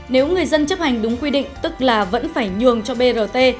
nếu người dân chấp hành đúng quy định tức là vẫn phải nhường cho brt